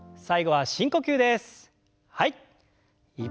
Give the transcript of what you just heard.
はい。